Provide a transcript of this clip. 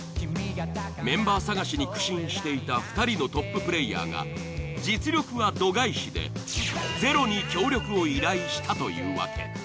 メンバー探しに苦心していた２人のトッププレイヤーが実力は度外視でｚｅｒｏに協力を依頼したというわけ。